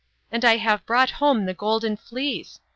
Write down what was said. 'And I have brought home the Golden Fleece.